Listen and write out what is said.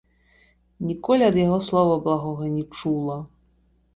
Ніколі ад яго слова благога не чула.